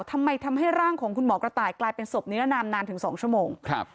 ทำให้ร่างของคุณหมอกระต่ายกลายเป็นศพนิรนามนานถึงสองชั่วโมงครับ